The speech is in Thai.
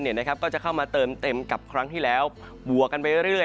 ก็จะเข้ามาเติมเต็มกับครั้งที่แล้วบวกกันไปเรื่อย